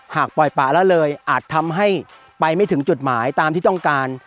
ปล่อยปะละเลยอาจทำให้ไปไม่ถึงจุดหมายตามที่ต้องการ